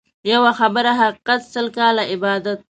يوه خبره حقيقت ، سل کاله عبادت.